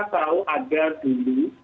kita tahu ada dulu